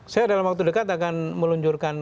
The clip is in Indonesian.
saya dalam waktu dekat akan meluncurkan